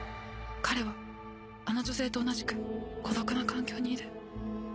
彼はあの女性と同じく孤独な環境にいる